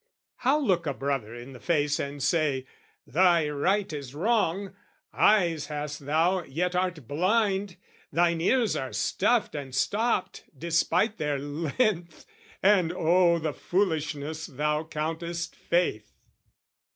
How look a brother in the face and say "Thy right is wrong, eyes hast thou yet art blind, "Thine ears are stuffed and stopped, despite their length, "And, oh, the foolishness thou countest faith!"